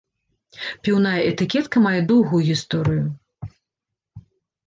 Піўная этыкетка мае доўгую гісторыю.